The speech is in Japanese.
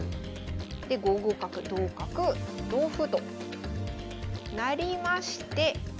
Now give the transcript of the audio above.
で５五角同角同歩となりまして。